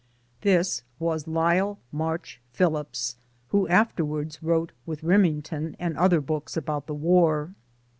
This was Lisle March Phillipps who afterwards wrote With Rimington and other books about the war.